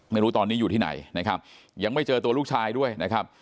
ไม่รู้ตอนนี้อยู่ที่ไหนนะครับยังไม่เจอตัวลูกชายด้วยนะครับ